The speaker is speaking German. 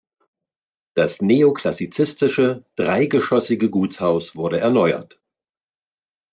Das neoklassizistische, dreigeschossige Gutshaus wurde erneuert.